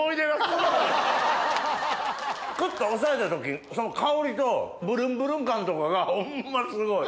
クッと押さえた時その香りとブルンブルン感とかがホンマすごい。